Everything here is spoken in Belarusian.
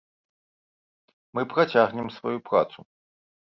Мы працягнем сваю працу!